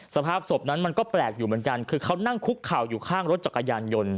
สภาพศพนั้นมันก็แปลกอยู่เหมือนกันคือเขานั่งคุกเข่าอยู่ข้างรถจักรยานยนต์